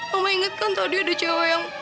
mama inget kan tadi ada cewek yang